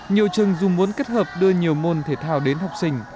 nhiều trường dù muốn kết hợp đưa nhiều môn thể thao đến học sinh